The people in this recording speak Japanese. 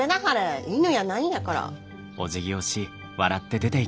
犬やないんやから。